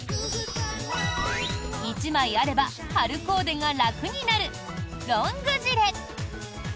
１枚あれば春コーデが楽になるロングジレ。